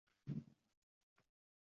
o'ttiz besh foizga.